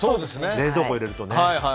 冷蔵庫に入れると。